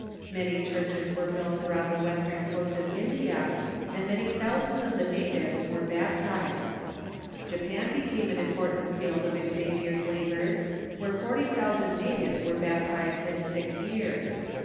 Many churches were built around the western coast of India, and many thousands of the natives were bap tized. Japan became an important field of Xavier's labors, where forty thousand natives were baptized in six years.